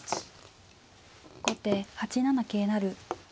後手８七桂成。